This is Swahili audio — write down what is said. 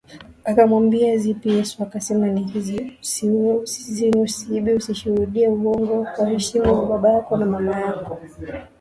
Akamwambia Zipi Yesu akasema Ni hizi Usiue Usizini Usiibe Usishuhudie uongo Waheshimu baba yako